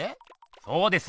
そうです。